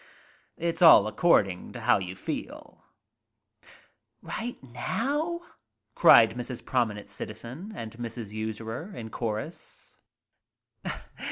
It's all according to how you feel." u ~ ni ~ x j now?" cried Mrs. Prominent Citizen and Mrs. Usurer, in chorus.